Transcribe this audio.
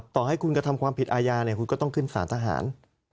ต่อให้คุณกระทำความผิดอาญาเนี่ยคุณก็ต้องขึ้นสารทหาร